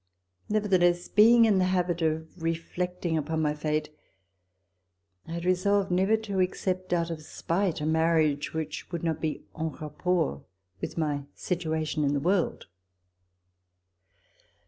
Nevertheless, being in the habit of reflecting upon my fate, I had resolved never to accept, out of spite, a marriage which would not be e7i rapport with my situation in the world.